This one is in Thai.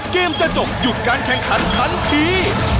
เกมจะจบหยุดการแข่งขันทันที